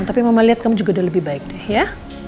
tapi mama lihat kamu juga udah lebih baik deh ya